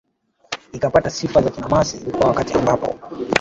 ikipata sifa za kinamasi Ilikuwa wakati ambapo